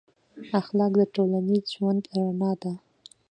اخلاق د ټولنیز ژوند رڼا ده.